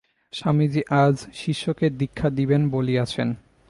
স্বামীজী আজ শিষ্যকে দীক্ষা দিবেন বলিয়াছেন।